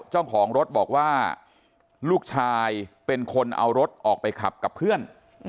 เจ้าของรถบอกว่าลูกชายเป็นคนเอารถออกไปขับกับเพื่อน